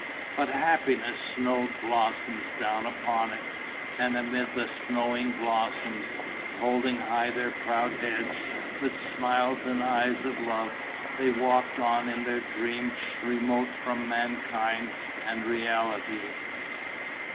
But happiness snowed blossoms down upon it; and amid the snowing blossoms, holding high their proud heads, with smiles and eyes of love, they walked on in their dream remote from mankind and reality.